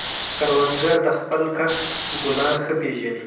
کروندګر د خپلې کښت ګلان ښه پېژني